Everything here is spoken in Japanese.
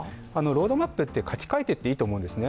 ロードマップって、書き換えていいと思うんですね。